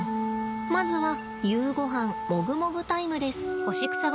まずは夕ごはんもぐもぐタイムです。